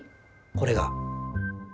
これが？